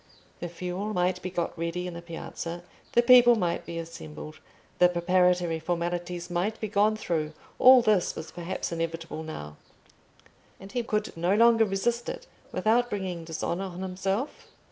The fuel might be got ready in the Piazza, the people might be assembled, the preparatory formalities might be gone through: all this was perhaps inevitable now, and he could no longer resist it without bringing dishonour on—himself?